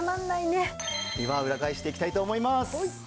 では裏返していきたいと思います。